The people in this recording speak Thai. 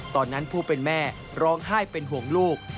ผู้เป็นแม่ร้องไห้เป็นห่วงลูก